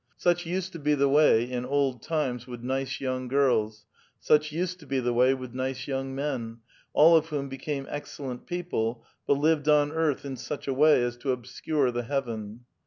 Such used to be the way, in old times, with nice young girls, such used to be the way with nice 3*oung men, all of whom became excellent people, but lived on earth in such a wa}' as to obscure the heaven.